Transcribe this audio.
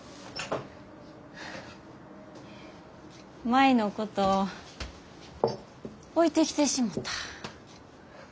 舞のこと置いてきてしもた。